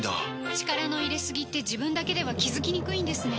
力の入れすぎって自分だけでは気付きにくいんですね